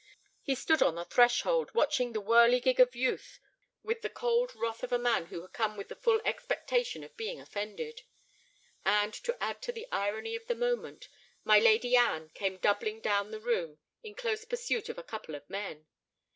He stood on the threshold, watching the whirligig of youth with the cold wrath of a man who had come with the full expectation of being offended. And to add to the irony of the moment, my Lady Anne came doubling down the room in close pursuit of a couple of men.